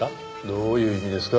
どういう意味ですか？